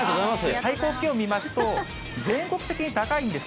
最高気温見ますと、全国的に高いんです。